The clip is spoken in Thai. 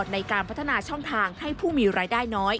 ในการพัฒนาช่องทางให้ผู้มีรายได้น้อย